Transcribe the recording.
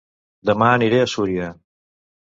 Dema aniré a Súria